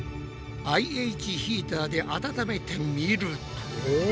ＩＨヒーターで温めてみると。